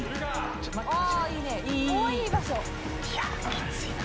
きついな。